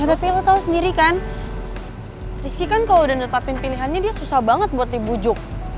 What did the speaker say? tapi lo tau sendiri kan rizky kan kalau udah netapin pilihannya dia susah banget buat dibujuk